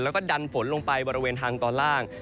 แล้วก็ดันฝนลงไปบริเวณทางตอนล่าง